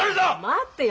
待ってよ。